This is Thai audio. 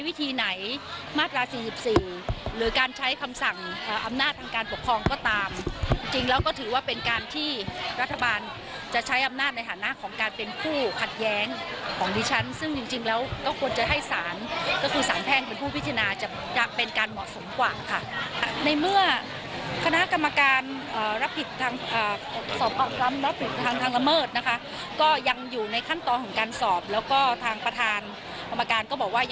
วิธีไหนมาตรา๔๔หรือการใช้คำสั่งอำนาจทางการปกครองก็ตามจริงแล้วก็ถือว่าเป็นการที่รัฐบาลจะใช้อำนาจในฐานะของการเป็นผู้ผัดแย้งของดิฉันซึ่งจริงจริงแล้วก็ควรจะให้สารก็คือสารแพงเป็นผู้พิจารณาจะจะเป็นการเหมาะสมกว่าค่ะในเมื่อคณะกรรมการเอ่อรับผิดทางเอ่อสอบการรับผิดทางทางละเมิดนะคะก